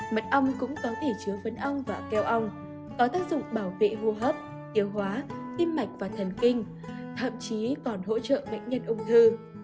mật ong cũng có thể chứa phấn ong và keo ong có tác dụng bảo vệ hô hấp tiêu hóa tim mạch và thần kinh thậm chí còn hỗ trợ bệnh nhân ung thư